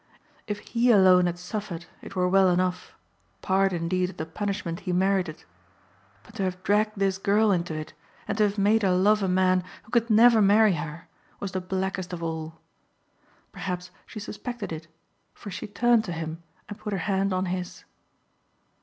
If he alone had suffered it were well enough, part indeed of the punishment he merited. But to have dragged this girl into it and to have made her love a man who could never marry her was the blackest of all. Perhaps she suspected it for she turned to him and put her hand on his.